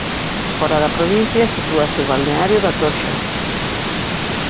Fóra da provincia sitúase o Balneario da Toxa.